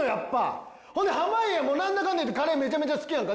ほんで濱家もなんだかんだ言ってカレーめちゃめちゃ好きやんか。